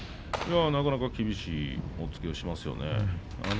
なかなか厳しい押っつけをしますよね。